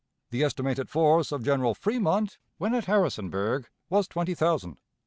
The estimated force, of General Fremont when at Harrisonburg was twenty thousand.